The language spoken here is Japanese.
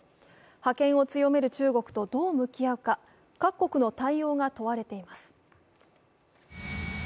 覇権を強める中国とどう向き合うか、各国の対応が問われています。